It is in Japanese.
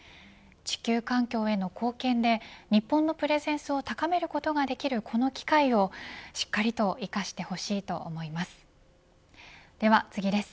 地球環境への貢献で日本のプレゼンスを高めることができるこの機会をしっかりと生かしてほしいと思います。